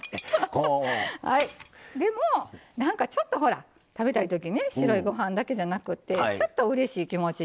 でもなんかちょっとほら食べたい時ね白いご飯だけじゃなくてちょっとうれしい気持ちになる。